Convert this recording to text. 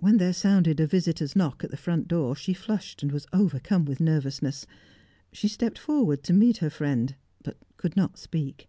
When there sounded a visitor's knock at the front door, she flushed and was overcome with nervousness; she stepped forward to meet her friend, but could not speak.